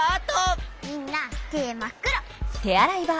みんなてまっくろ！